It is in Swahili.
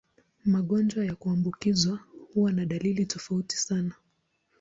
Magonjwa ya kuambukizwa huwa na dalili tofauti sana.